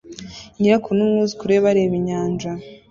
Nyirakuru n'umwuzukuru we bareba inyanja